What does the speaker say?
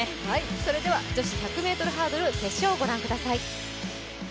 それでは女子１００ｍハードル決勝をご覧ください。